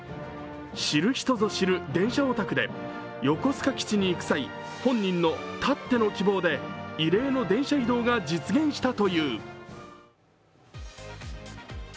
知る人ぞ知る電車オタクで横須賀基地に行く際本人のたっての希望で、異例の電車移動が実現したという。